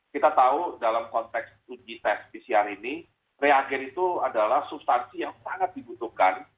kita tahu dalam konteks uji tes pcr ini reagen itu adalah substansi yang sangat dibutuhkan